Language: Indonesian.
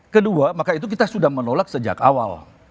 kedua maka itu kita sudah menolak sejak awal